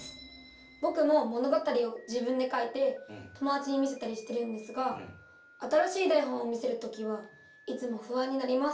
僕も物語を自分で書いて友達に見せたりしてるんですが新しい台本を見せる時はいつも不安になります。